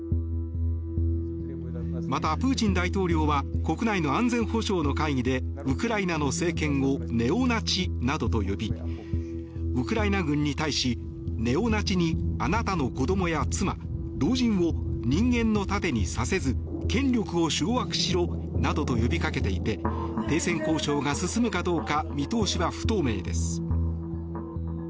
また、プーチン大統領は国内の安全保障の会議でウクライナの政権をネオナチなどと呼びウクライナ軍に対しネオナチにあなたの子どもや妻老人を人間の盾にさせず権力を掌握しろなどと呼びかけていて停戦交渉が進むかどうか見通しは不透明です。